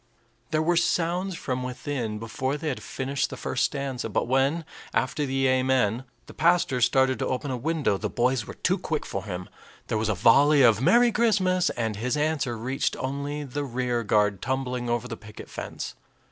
'" There were sounds from within before they had finished the first stanza; but when, after the "Amen," the pastor started to open a window, the boys were too quick for him. There was a volley of "Merry Christmas," and his answer reached only the rearguard tumbling over the picket fence.